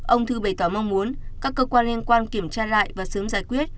ông thư bày tỏ mong muốn các cơ quan liên quan kiểm tra lại và sớm giải quyết